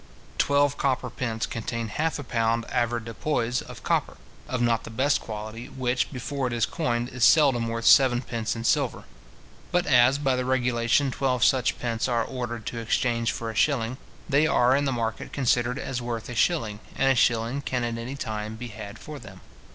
Twelve copper pence contain half a pound avoirdupois of copper, of not the best quality, which, before it is coined, is seldom worth seven pence in silver. But as, by the regulation, twelve such pence are ordered to exchange for a shilling, they are in the market considered as worth a shilling, and a shilling can at any time be had for them.